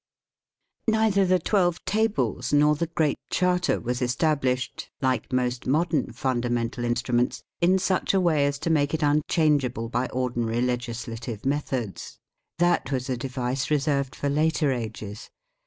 Neither the Twelve Tables nor the Great Charter was established, like most modern Fundamental In struments, in such a way as to make it unchangeable by ordinary legislative methods. That was a device reserved for later ages.